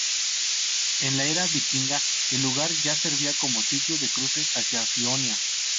En la era vikinga el lugar ya servía como sitio de cruce hacia Fionia.